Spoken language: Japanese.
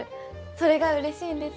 それがうれしいんです。